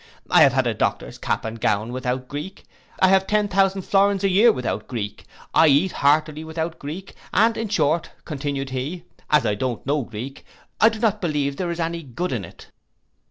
I have had a doctor's cap and gown without Greek: I have ten thousand florins a year without Greek; I eat heartily without Greek, and in short, continued he, as I don't know Greek, I do not believe there is any good in it.